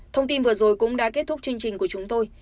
thông tin vừa rồi cũng đã kết thúc chương trình của chúng tôi